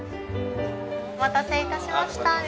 お待たせ致しました。